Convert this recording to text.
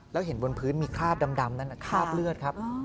แล้วเห็นบนพื้นมีคราบดำนั่นคราบเลือดครับ